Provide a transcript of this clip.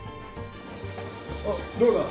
おっどうだ？